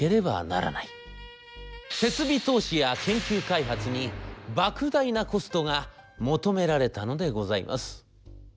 設備投資や研究開発にばく大なコストが求められたのでございます。